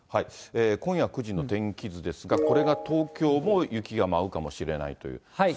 今夜９時の天気図ですが、これが東京も雪が舞うかもしれないという。